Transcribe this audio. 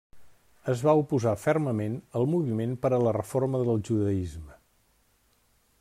Es va oposar fermament al moviment per a la reforma del judaisme.